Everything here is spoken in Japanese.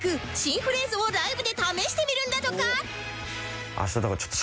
新フレーズをライブで試してみるんだとか